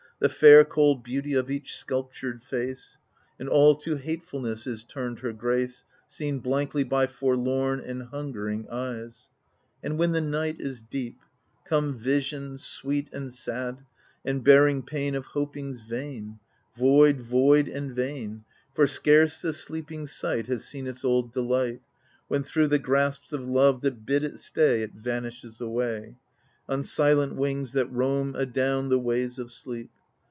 The fair cold beauty of each sculptured face — And all to hatefulness is turned their grace. Seen blankly by forlorn and hungering eyes ! And when the night is deep, Come visions, sweet and sad, and bearing pain Of hopings vain — Void, void and vain, for scarce the sleeping sight Has seen its old delight. When thro' the grasps of love that bid it stay It vanishes away On silent wings that roam adown the ways of sleep.